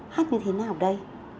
hát như thế nào đây